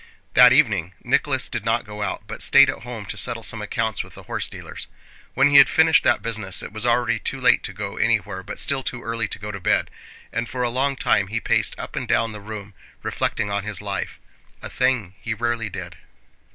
That evening Nicholas did not go out, but stayed at home to settle some accounts with the horse dealers. When he had finished that business it was already too late to go anywhere but still too early to go to bed, and for a long time he paced up and down the room, reflecting on his life, a thing he rarely did.